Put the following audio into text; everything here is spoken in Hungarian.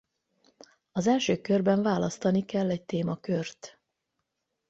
Az első körben választani kell egy témakört.